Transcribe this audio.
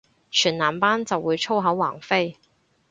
全男班就會粗口橫飛